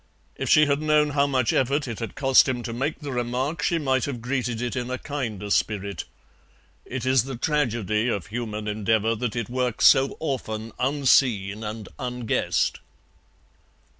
If she had known how much effort it had cost him to make the remark she might have greeted it in a kinder spirit. It is the tragedy of human endeavour that it works so often unseen and unguessed.